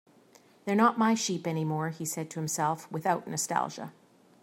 "They're not my sheep anymore," he said to himself, without nostalgia.